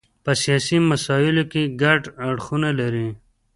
په سیاسي مسایلو کې ګډ اړخونه لري.